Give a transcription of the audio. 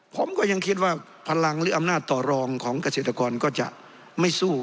ผมก็ยังคิดว่าพลังหรืออำนาจต่อรองของเกษตรกรก็จะไม่สู้